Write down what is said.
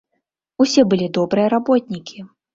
Усе былі добрыя работнікі.